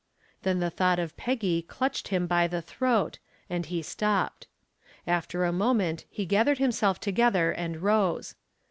Then the thought of Peggy clutched him by the throat, and he stopped. After a moment he gathered himself together and rose.